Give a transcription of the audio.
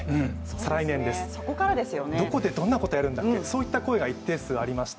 再来年です、どこでどんなことやるんだっけ、一定数そんな声がありました。